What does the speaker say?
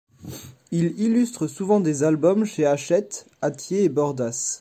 Il illustre souvent des albums chez Hachette, Hatier et Bordas.